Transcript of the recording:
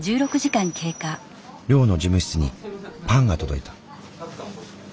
寮の事務室にパンが届いた。